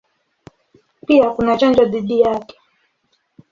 Pia kuna chanjo dhidi yake.